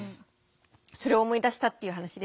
それを思い出したっていう話ですヘヘ。